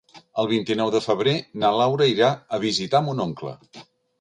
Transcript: El vint-i-nou de febrer na Laura irà a visitar mon oncle.